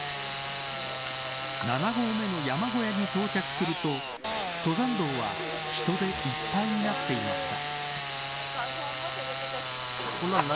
７号目の山小屋に到着すると登山道は、人でいっぱいになっていました。